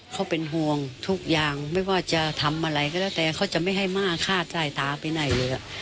เขาเป็นห่วงทุกอย่างไม่ว่าจะทำอะไรก็แล้วแต่เขาจะไม่ให้ม่าฆ่าสายตาไปไหนเลย